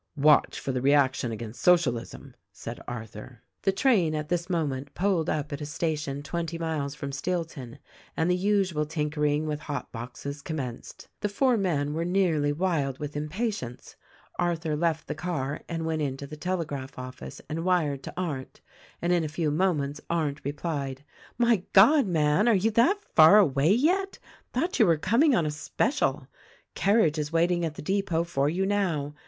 "Watch for the reaction against Socialism," said Arthur. The train at this moment pulled up at a station twenty miles from Steelton, and the usual tinkering with hot boxes commenced. The four men were nearly wild with impa tience. Arthur left the car and went into the telegraph office and wired to Arndt, and in a few moments Arndt re 228 THE RECORDING ANGEL plied : "My God, man ! Are you that far away yet? Thought you were coming on a special. Carriage is waiting at the depot for you now.